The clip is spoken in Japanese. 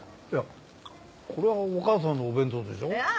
いやこれはお母さんのお弁当でしょ？